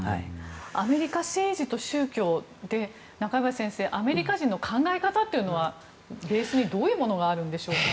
アメリカ政治と宗教で中林先生アメリカ人の考え方というのはベースにどういうものがあるんでしょうか？